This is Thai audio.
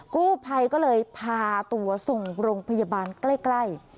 กู้ภัยก็เลยพาตัวส่งโรงพยาบาลใกล้